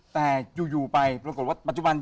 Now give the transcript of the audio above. แต่อยู่ไปปรากฏว่าปัจจุบัน